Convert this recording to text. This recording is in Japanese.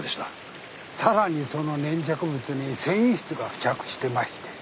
さらにその粘着物に繊維質が付着してましてね。